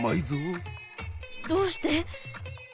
どうして？